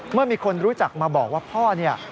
เมื่อมีคนรู้จักมาบอกว่าพ่อเนี่ย